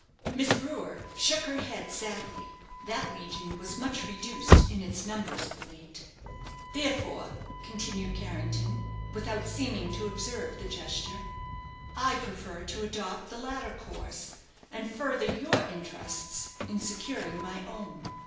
Miss Brewer shook her head sadly. That legion was much reduced in its numbers of late. "Therefore," continued Carrington, without seeming to observe the gesture, "I prefer to adopt the latter course, and further your interests in securing my own.